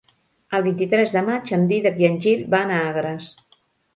El vint-i-tres de maig en Dídac i en Gil van a Agres.